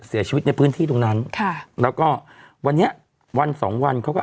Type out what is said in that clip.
เสียชีวิตในพื้นที่ตรงนั้นค่ะแล้วก็วันนี้วันสองวันเขาก็